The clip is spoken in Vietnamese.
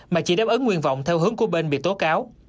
mà chỉ đáp ứng nguyện vọng theo hướng của bên bị tố cáo